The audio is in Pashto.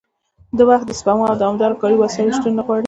دوی د وخت سپما او دوامداره کاري وسایلو شتون نه غواړي